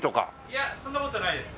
いやそんな事ないです。